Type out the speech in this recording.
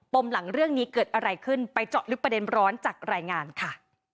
มหลังเรื่องนี้เกิดอะไรขึ้นไปเจาะลึกประเด็นร้อนจากรายงานค่ะ